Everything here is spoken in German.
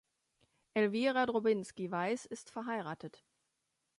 Elvira Drobinski-Weiß ist verheiratet.